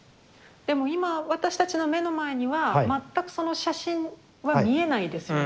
でも今私たちの目の前には全くその写真は見えないですよね